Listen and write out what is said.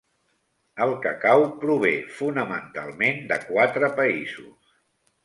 El cacau prové fonamentalment de quatre països.